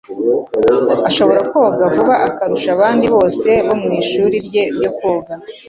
ashobora koga vuba kurusha abandi bose bo mu ishuri rye ryo koga.